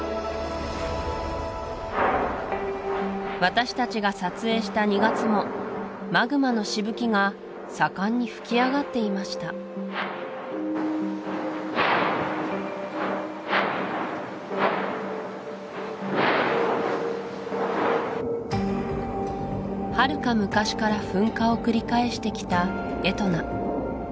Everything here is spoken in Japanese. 私たちが撮影した２月もマグマのしぶきが盛んに噴き上がっていましたはるか昔から噴火を繰り返してきたエトナ